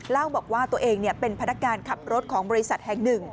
เล่าบอกว่าตัวเองเป็นพนักการขับรถของบริษัทแห่งหนึ่ง